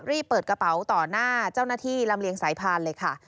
รีบเปิดกระเป๋าต่อหน้าเจ้าหน้าที่ลำเลียงสายพานเลยค่ะ